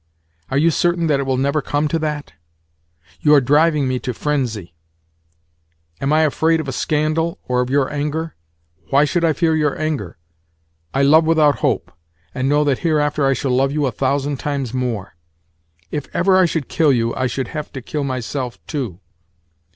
Are you certain that it will never come to that? You are driving me to frenzy. Am I afraid of a scandal, or of your anger? Why should I fear your anger? I love without hope, and know that hereafter I shall love you a thousand times more. If ever I should kill you I should have to kill myself too.